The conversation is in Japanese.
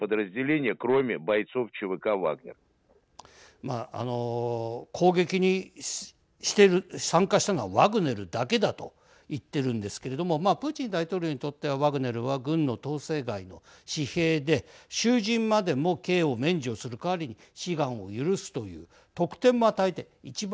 まあ、あの攻撃に参加したのはワグネルだけだと言っているんですけれどもまあプーチン大統領にとってワグネルは軍の統制外の私兵で囚人までも刑を免除する代わりに志願を許すという特典も与えて一番